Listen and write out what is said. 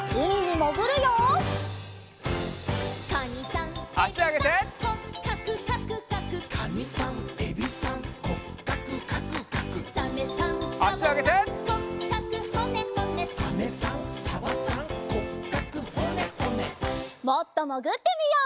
もっともぐってみよう。